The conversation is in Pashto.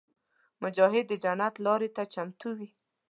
مجاهد د جنت لارې ته چمتو وي.